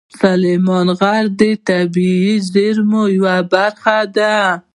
سلیمان غر د طبیعي زیرمو یوه برخه ده.